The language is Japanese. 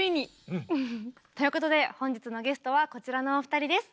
うん！ということで本日のゲストはこちらのお二人です。